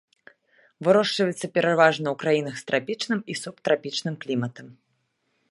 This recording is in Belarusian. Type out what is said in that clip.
Вырошчваецца пераважна ў краінах з трапічным і субтрапічным кліматам.